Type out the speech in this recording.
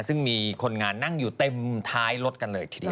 ซึ่งมีคนงานนั่งอยู่เต็มท้ายรถกันเลยทีเดียว